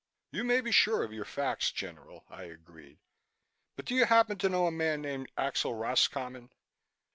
"You may be sure of your facts, General," I agreed, "but do you happen to know a man named Axel Roscommon?"